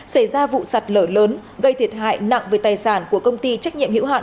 xảy ra vụ sạt lở lớn gây thiệt hại nặng về tài sản của công ty trách nhiệm hữu hạn